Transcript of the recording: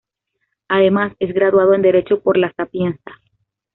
Además, es graduado en Derecho por La Sapienza.